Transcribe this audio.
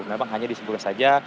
memang hanya disebutkan saja